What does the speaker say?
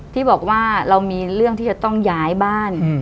ที่บอกว่าเรามีเรื่องที่จะต้องย้ายบ้าน